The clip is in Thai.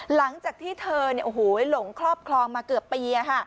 หลังจากที่เธอหลงครอบครองมาเกือบปี